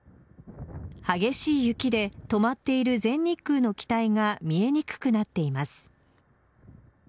激しい雪で止まっている全日空の機体が見えにくくなっています。